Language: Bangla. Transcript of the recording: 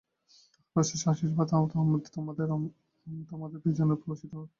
তাঁহার অশেষ আশীর্বাদ তোমাদের ও তোমাদের প্রিয়জনের উপর বর্ষিত হোক।